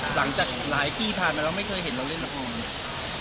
หลังจากหลายปีผ่านมาเราไม่เคยเห็นเราเล่นละครเลย